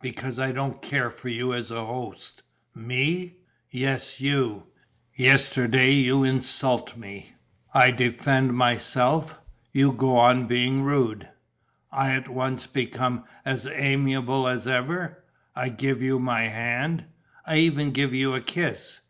"Because I don't care for you as a host." "Me?" "Yes, you. Yesterday you insult me. I defend myself, you go on being rude, I at once become as amiable as ever, I give you my hand, I even give you a kiss.